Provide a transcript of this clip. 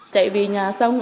tại vì nhà xong